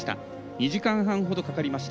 ２時間半ほどかかりました。